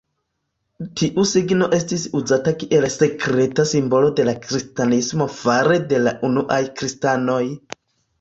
Tiu signo estis uzita kiel sekreta simbolo de Kristanismo fare de la unuaj kristanoj.